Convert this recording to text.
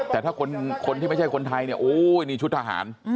แต่ถ้าคนที่ไม่ใช่คนไทยเนี่ยโอ้ยนี่ชุดทหาร